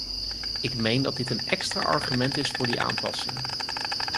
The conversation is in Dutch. Ik meen dat dit een extra argument is voor die aanpassing.